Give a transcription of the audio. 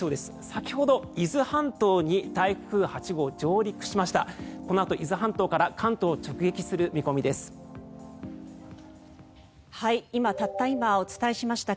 先ほど伊豆半島に台風８号、上陸しました。